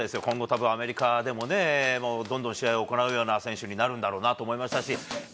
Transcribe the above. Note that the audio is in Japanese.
今後、たぶんアメリカでも、どんどん試合を行うような選手になるんだろうなと思いましたし、